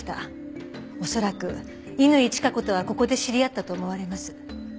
恐らく乾チカ子とはここで知り合ったと思われます。